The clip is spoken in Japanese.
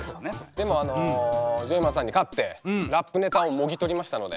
でもあのジョイマンさんに勝ってラップネタをもぎ取りましたので。